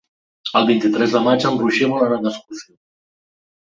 El vint-i-tres de maig en Roger vol anar d'excursió.